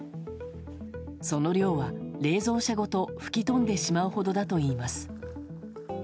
その量は、冷蔵車ごと吹き飛んでしまうほどだといいます。